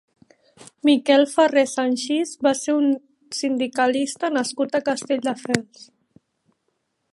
Miquel Ferrer Sanxis va ser un sindicalista nascut a Castelldefels.